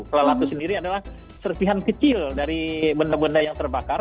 kelelatu sendiri adalah serpihan kecil dari benda benda yang terbakar